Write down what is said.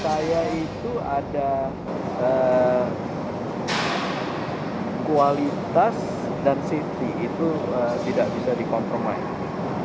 saya itu ada kualitas dan safety itu tidak bisa di compromisi